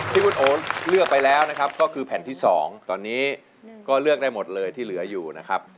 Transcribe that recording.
ที่คุณโอเลือกไปแล้วนะครับก็คือแผ่นที่๒ตอนนี้ก็เลือกได้หมดเลยที่เหลืออยู่นะครับ